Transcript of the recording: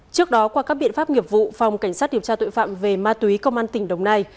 trước đó qua các biện pháp nghiệp vụ phòng cảnh sát điều tra tội phạm về ma túy công an tỉnh đồng nai